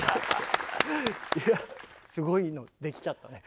いやすごいのできちゃったね。